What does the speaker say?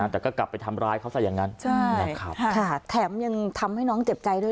แต่ก็กลับไปทำร้ายเขาซะอย่างนั้นนะครับค่ะแถมยังทำให้น้องเจ็บใจด้วย